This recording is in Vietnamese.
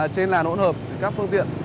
trên làn ổn hợp các phương tiện